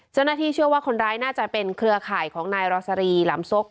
เจ้าหน้าที่เชื่อว่าคนร้ายน่าจะเป็นเครือข่ายของนายรอสรีหลำซก